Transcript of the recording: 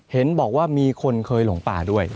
เห็นบอกว่ามีคนเคยหลงป่าด้วย